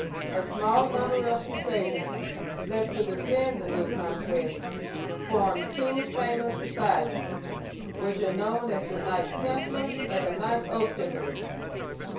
A small number of crusaders, left to defend the new conquest, formed two famous societies, which are known as the "Knights Templar and the " Knights Hos'pitalers."